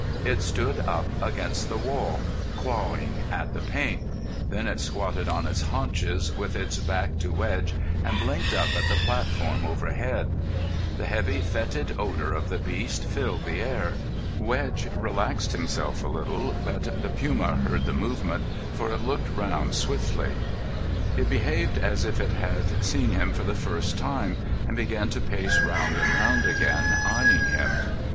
It stood up against the wall, clawing at the paint. Then it squatted on its haunches, with its back to Wedge, and blinked up at the platform overhead. The heavy fetid odour of the beast filled the air. Wedge relaxed himself a little, but the puma heard the movement, for it looked round swiftly. It behaved as if it had seen him for the first time, and began to pace round and round again, eyeing him.